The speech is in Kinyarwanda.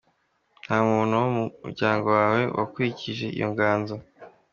Nta muntu wo mu muryango wawe wakurikije iyo nganzo?.